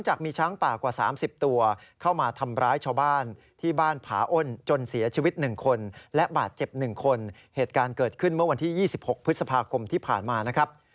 เหตุการณ์เกิดขึ้นเมื่อวันที่๒๖พฤษภาคมที่ผ่านมานะครับ